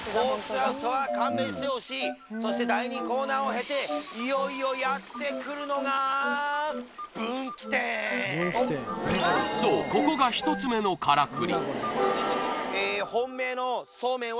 アウトは勘弁してほしいそして第２コーナーをへていよいよやってくるのがそうここがいきます